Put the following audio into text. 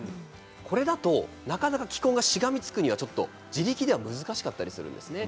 これだとなかなか気根がしがみつくには自力では難しかったりするんですね。